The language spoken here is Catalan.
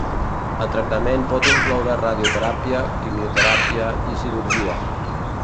El tractament pot incloure radioteràpia, quimioteràpia i cirurgia.